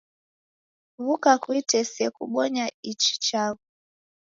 W'uka kuitesie kubonya ichi chaghu